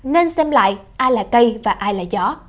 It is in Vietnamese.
nên xem lại ai là cây và ai là gió